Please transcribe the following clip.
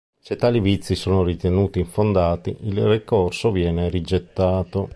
Se tali vizi sono ritenuti infondati, il ricorso viene rigettato.